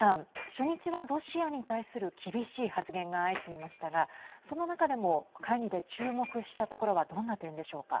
初日はロシアに対する厳しい発言が相次ぎましたがその中でも会議で注目したところはどんな点でしょうか。